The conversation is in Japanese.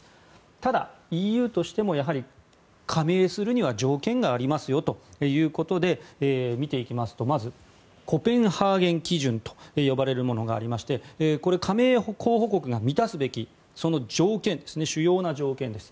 ただ、ＥＵとしても加盟するには条件がありますよということで見ていきますとまずコペンハーゲン基準と呼ばれるものがありまして加盟候補国が満たすべき主要な条件です。